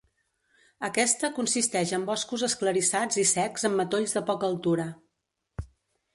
Aquesta consisteix en boscos esclarissats i secs amb matolls de poca altura.